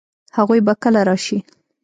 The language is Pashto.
هغوی به کله راشي؟